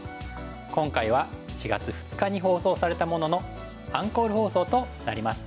今回は４月２日に放送されたもののアンコール放送となります。